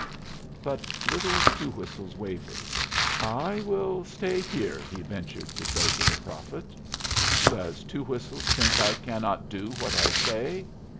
But little Two Whistles wavered. "I will stay here," he ventured to say to the prophet. "Does Two Whistles think I cannot do what I say?"